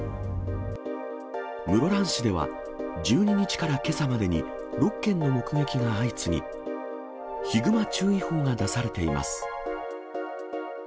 室蘭市では、１２日からけさまでに、６件の目撃が相次ぎ、ヒグマ注意報が出されています。